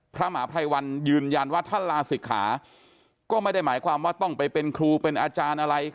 พระมหาภัยวันยืนยันว่าท่านลาศิกขาก็ไม่ได้หมายความว่าต้องไปเป็นครูเป็นอาจารย์อะไร